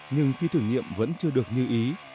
nhưng khi thử nghiệm vẫn chưa được như ý